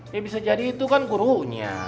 ya bisa jadi itu kan gurunya